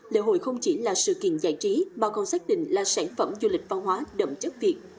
lễ hội không chỉ là sự kiện giải trí mà còn xác định là sản phẩm du lịch văn hóa đậm chất việt